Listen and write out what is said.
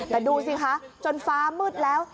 แต่ดูสิคะจนฟ้ามืดแล้ว